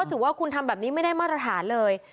ถือว่าคุณทำแบบนี้ไม่ได้มาตรฐานเลย